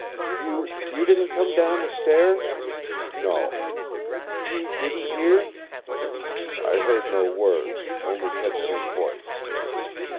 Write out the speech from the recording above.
"You you didn't come down the stair?" "No." "You didn't hear?" "I heard no words. Only Kedsty's voice."